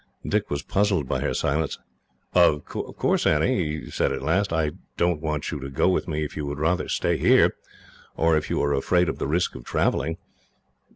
Dick was puzzled by her silence. "Of course, Annie," he said, at last, "I don't want you to go with me, if you would rather stay here, or if you are afraid of the risk of travelling."